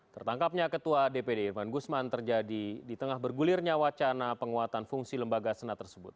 tertangkapnya ketua dpd irman gusman terjadi di tengah bergulirnya wacana penguatan fungsi lembaga senat tersebut